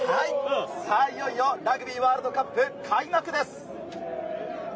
さぁ、いよいよラグビーワールドカップ開幕です。